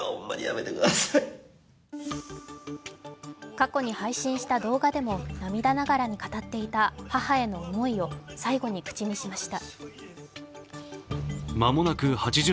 過去に配信した動画でも涙ながらに語っていた母への思いを最後に口にしました。